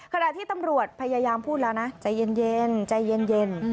ขณะที่ตำรวจพยายามพูดแล้วนะใจเย็นใจเย็น